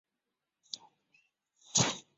元朝末设有团练安辅劝农使来镇压农民起义。